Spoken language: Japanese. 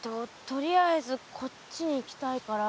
とりあえずこっちに行きたいから。